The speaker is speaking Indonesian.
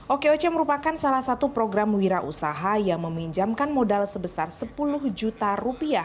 okoc merupakan salah satu program wira usaha yang meminjamkan modal sebesar sepuluh juta rupiah